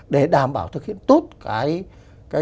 để đảm bảo thực hiện tốt cái